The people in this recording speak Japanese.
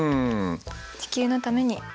地球のために。